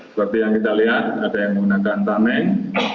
seperti yang kita lihat ada yang menggunakan tameng